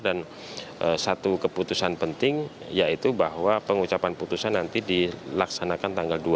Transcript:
dan satu keputusan penting yaitu bahwa pengucapan putusan nanti dilaksanakan tanggal dua puluh tujuh juni